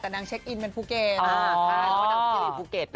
แต่นางเช็คอินเป็นภูเกต